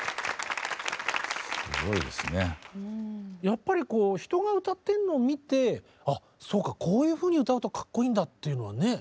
やっぱりこう人が歌ってんのを見て「あそうか。こういうふうに歌うとかっこいいんだ」っていうのはね。